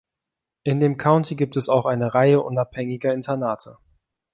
In dem County gibt es auch eine Reihe unabhängiger Internate.